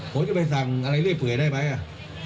ผมจะไปสั่งอะไรเรื่อยเผื่อได้ไหมอ่ะ